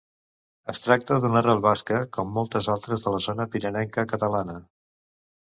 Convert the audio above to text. Es tracta d'una arrel basca, com moltes altres de la zona pirinenca catalana.